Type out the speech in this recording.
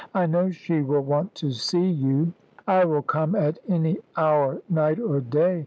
I know she will want to see you." "I will come at any hour, night or day.